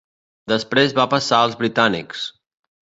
Després va passar als britànics.